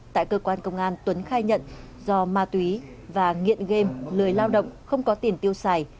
tại cơ quan công an tuấn khai nhận do ma túy và nghiện game lười lao động không có tiền tiêu xài